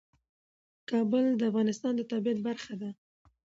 کابل د افغانستان د طبیعت برخه ده.